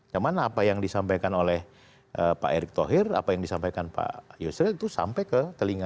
cuma apa yang disampaikan oleh pak erick thohir apa yang disampaikan pak yusril itu sampai ke telinga